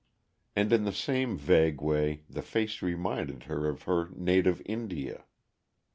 And in the same vague way the face reminded her of her native India.